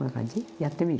やってみる？